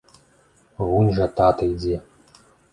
Вунь жа тата ідзе!